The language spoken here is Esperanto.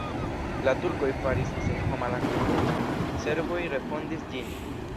La turkoj faris senhoma la komunumon, serboj refondis ĝin.